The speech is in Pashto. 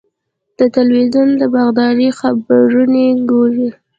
د تلویزیون د باغدارۍ خپرونې ګورئ؟